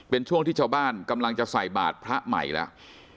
เป็นช่วงที่ชาวบ้านกำลังจะใส่บาทพระใหม่แล้ว